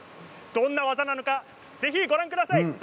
どんな技なのかぜひご覧ください。